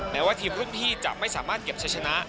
แม้ว่าทีมรุ่นพี่จะไม่สามารถเก็บใช้ชนะ